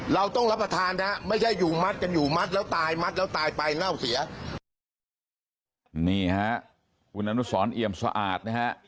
เราต้องรับประทานนะครับไม่ใช่อยู่มัดกันอยู่มัด